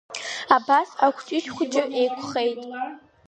Абас акәҷышь хәҷы еиқәхеит…